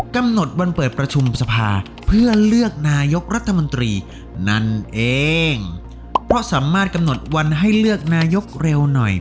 กำหนดวันเปิดประชุมสภาเพื่อเลือกนายกรัฐมนตรีนั่นเองเพราะสามารถกำหนดวันให้เลือกนายกเร็วหน่อย